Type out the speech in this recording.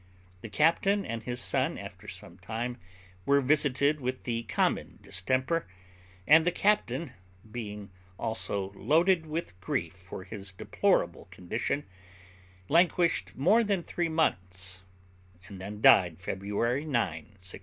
The captain and his son after some time were visited with the common distemper, and the captain, being also loaded with grief for his deplorable condition, languished more than three months, and then died, February 9, 1661.